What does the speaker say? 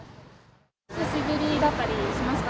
久しぶりだったりしますか？